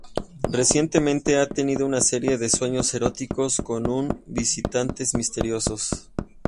Recientemente ha tenido una serie de sueños eróticos con un visitantes misterioso.